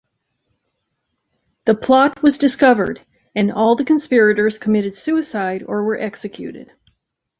The plot was discovered, and all the conspirators committed suicide or were executed.